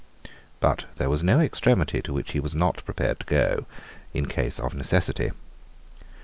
But there was no extremity to which he was not prepared to go in case of necessity.